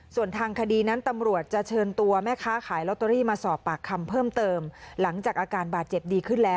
ส่วนทางคดีนั้นตำรวจจะเชิญตัวแม่ค้าขายลอตเตอรี่